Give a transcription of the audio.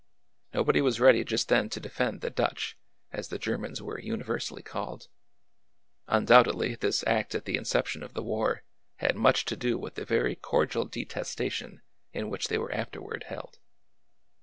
Nobody was ready just then to defend the " Dutch," as the Germans were uni versally called. Undoubtedly, this act at the inception of the war had much to do with the very cordial detestation in which they were afterward held.